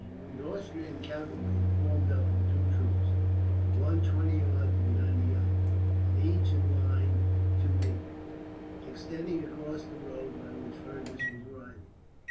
The Austrian cavalry had formed up in two troops, one twenty yards behind the other, and each in line two deep, extending across the road by which Fergus was riding.